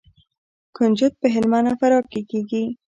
کنجد په هلمند او فراه کې کیږي.